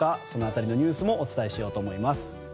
その辺りのニュースもお伝えします。